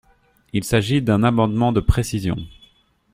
Il s’agit d’un amendement de précision.